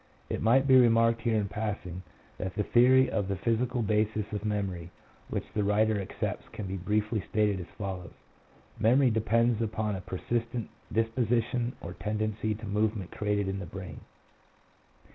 It might be remarked here in passing, that the theory of the physical basis of memory which the writer accepts can be briefly stated as follows: "Memory depends upon a persistent disposition or tendency to move ment created in the brain."